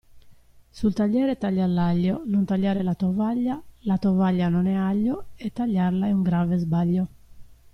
Sul tagliere taglia l'aglio, non tagliare la tovaglia, la tovaglia non è aglio e tagliarla è un grave sbaglio.